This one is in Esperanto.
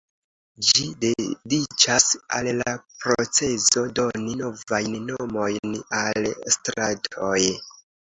Ĝi dediĉas al la procezo doni novajn nomojn al stratoj.